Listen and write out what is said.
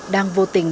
đang vô tình